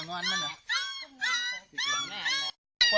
สวัสดีครับ